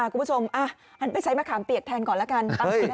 คุณผู้ชมหันไปใช้มะขามเปียกแทนก่อนแล้วกัน